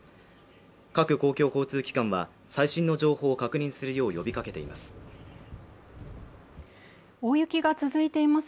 各公共交通機関は最新の情報を確認するよう呼びかけています